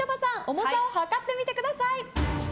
重さを量ってみてください。